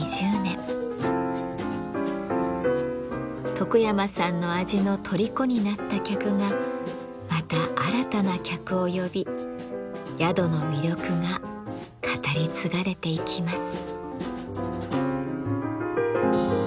徳山さんの味の虜になった客がまた新たな客を呼び宿の魅力が語り継がれていきます。